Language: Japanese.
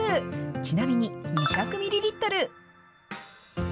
ちなみに、２００ミリリットル。